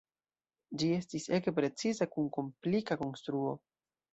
Ĝi estis ege preciza kun komplika konstruo.